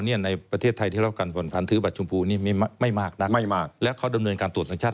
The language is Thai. ในประเทศไทยที่แล้วกันผลพันธ์ถือบัตรชมพูนี่ไม่มากนะ